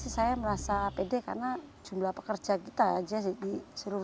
saya merasa pede karena jumlah pekerja kita saja disuruh